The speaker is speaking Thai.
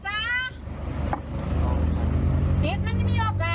สุดท้ายก็ไม่ออกมานะครับจนมืดค่ำแล้วครับทุกผู้ชมครับ